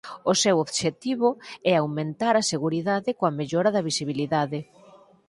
O seu obxectivo é aumentar a seguridade coa mellora da visibilidade.